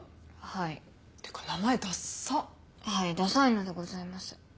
はいダサいのでございます。